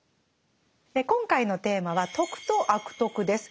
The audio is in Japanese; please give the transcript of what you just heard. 今回のテーマは「徳」と「悪徳」です。